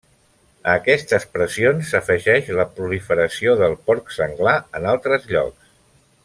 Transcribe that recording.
A aquestes pressions, s'afegeix la proliferació del porc senglar en altres llocs.